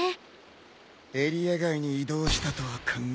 エリア外に移動したとは考えられない。